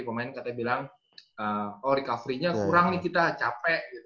pemain katanya bilang oh recovery nya kurang nih kita capek gitu